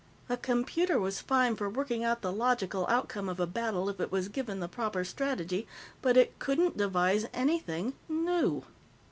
A computer was fine for working out the logical outcome of a battle if it was given the proper strategy, but it couldn't devise anything new.